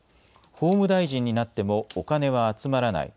法務大臣になってもお金は集まらない。